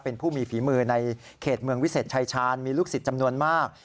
เป็นผู้มีฝีมือในเขตเมืองวิเศษชายชาญมีลูกศิษย์จำนวนมาก